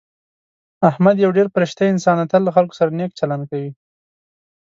احمد یو ډېر فرشته انسان دی. تل له خلکو سره نېک چلند کوي.